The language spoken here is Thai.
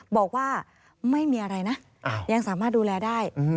บอกว่าไม่มีอะไรนะยังสามารถดูแลได้